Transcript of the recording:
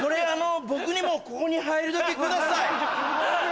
僕にもここに入るだけください。